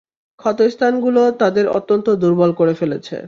ক্ষতস্থানগুলো তাদের অত্যন্ত দুর্বল করে ফেলেছে।